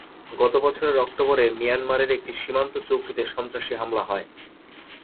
গত বছরের অক্টোবরে মিয়ানমারের একটি সীমান্তচৌকিতে সন্ত্রাসী হামলা হয়।